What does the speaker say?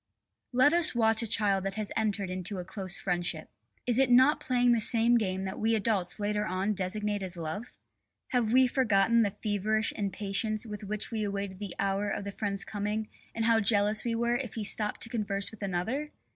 Let us watch a child that has entered into a close friendship. Is it not playing the same game that we adults later on designate as love? Have we forgotten the feverish impatience with which we awaited the hour of the friend's coming and how jealous we were if he stopped to converse with another?